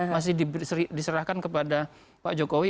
masih diserahkan kepada pak jokowi